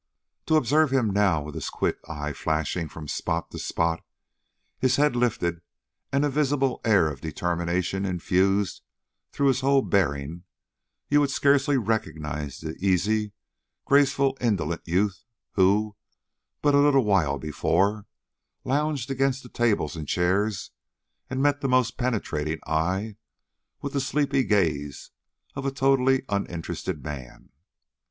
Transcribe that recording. To observe him now with his quick eye flashing from spot to spot, his head lifted, and a visible air of determination infused through his whole bearing, you would scarcely recognize the easy, gracefully indolent youth who, but a little while before, lounged against the tables and chairs, and met the most penetrating eye with the sleepy gaze of a totally uninterested man.